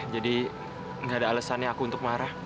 jadi gak ada alesannya aku untuk marah